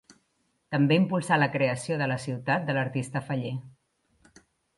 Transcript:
També impulsà la creació de la Ciutat de l'artista faller.